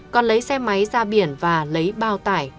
còn lấy xe máy ra biển và lấy bao tải